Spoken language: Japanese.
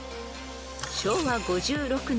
［昭和５６年］